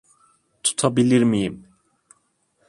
Tutabilir miyim?